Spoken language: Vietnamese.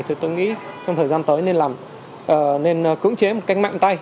thì tôi nghĩ trong thời gian tới nên cưỡng chế một cánh mạng tay